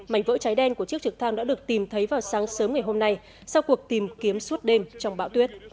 mảnh vỡ trái đen của chiếc trực thăng đã được tìm thấy vào sáng sớm ngày hôm nay sau cuộc tìm kiếm suốt đêm trong bão tuyết